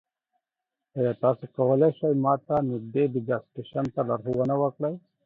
ایا تاسو کولی شئ ما ته نږدې د ګاز سټیشن ته لارښوونه وکړئ؟